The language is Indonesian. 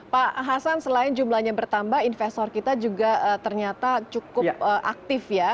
pak hasan selain jumlahnya bertambah investor kita juga ternyata cukup aktif ya